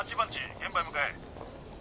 現場へ向かえ。